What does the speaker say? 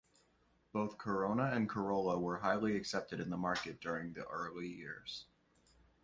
Both Corona and Corolla were highly accepted in the market during the early years.